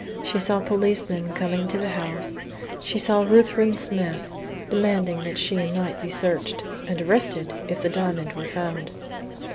She saw policemen coming to the house; she saw Ruthven Smith demanding that she and Knight be searched, and arrested if the diamond were found.